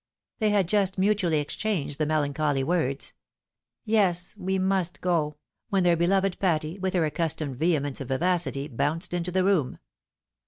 They had just mutually exchanged the melancholy worde, " Yes, we must go !" when their beloved Patty, with her accus tomed vehemence of vivacity, bounced into the room.